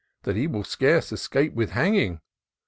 That he will scarce escape with hanging.